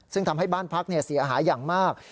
ซึ่งทำให้บ้านพักเสียหายอย่างมาก